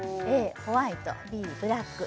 ＡホワイトＢブラックＣ